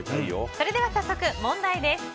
それでは早速問題です。